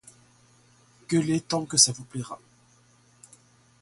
Gueulez tant que ça vous plaira...